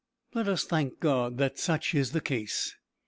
Let us thank God that such is the case.